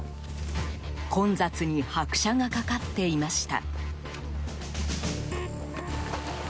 混雑に拍車がかかっていました。